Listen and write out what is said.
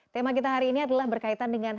tema kita hari ini adalah berkaitan dengan